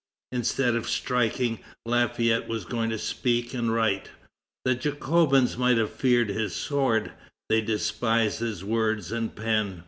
Instead of striking, Lafayette was going to speak and write. The Jacobins might have feared his sword; they despised his words and pen.